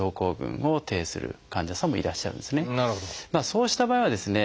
そうした場合はですね